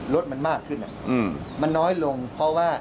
รถมันมากขึ้นมันน้อยลงเพราะว่า